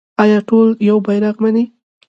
آیا ټول یو بیرغ مني؟